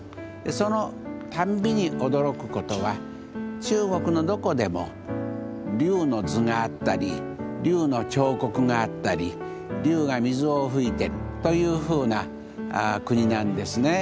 そのたんびに驚くことは中国のどこでも龍の図があったり龍の彫刻があったり龍が水を噴いてるというふうな国なんですね。